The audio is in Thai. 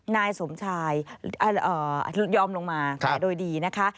นายสมชายยอมลงมาแต่โดยดีนะคะ